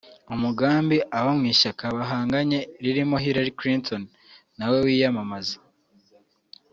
umugambi abo mu ishyaka bahanganye ririmo Hillary Clinton nawe wiyamamaza